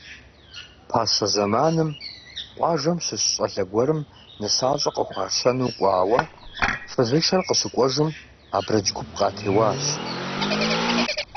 Пасэ зэманым къуажэм щыщ щӀалэ гуэрым нысащӀэ къыхуашэну кӀуауэ, фызышэр къыщыкӀуэжым, абрэдж гуп къатеуащ.